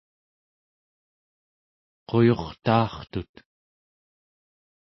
quyurtaartut